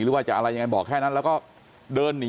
หรือว่าจะอะไรยังไงบอกแค่นั้นแล้วก็เดินหนี